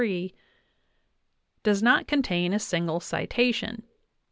229 233) does not contain a single citation.